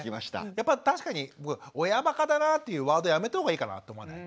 やっぱ確かに「親バカだな」っていうワードやめたほうがいいかなって思わない？